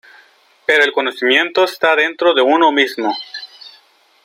Pero el conocimiento está dentro de uno mismo"".